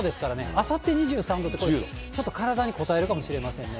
あさって２３度って、これ、ちょっと体にこたえるかもしれませんね。